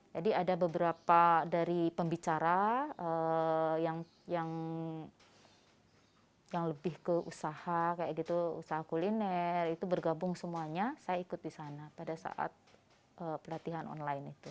jadi ada beberapa dari pembicara yang lebih ke usaha kayak gitu usaha kuliner itu bergabung semuanya saya ikut di sana pada saat pelatihan online itu